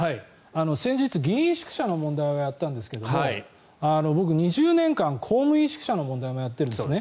先日、議員宿舎の問題をやったんですけども僕、２０年間公務員宿舎の問題もやっているんですね。